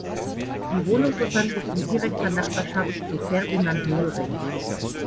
Die Wohnung befand sich in direkter Nachbarschaft zu Ferdinand Möhring.